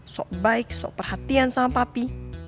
sok baik sok perhatian sama papi